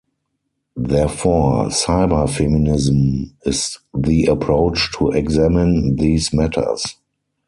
Therefore, Cyberfeminism is the approach to examine these matters.